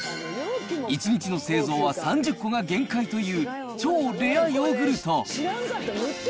１日の製造は３０個が限界という、超レアヨーグルト。